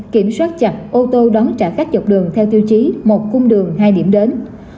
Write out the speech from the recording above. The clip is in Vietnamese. kiểm soát chặt ô tô đón trả khách dọc đường theo tiêu chí một cung đường hai điểm đến